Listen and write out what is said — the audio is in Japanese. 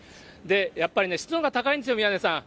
やっぱりね、湿度が高いんですよ、宮根さん。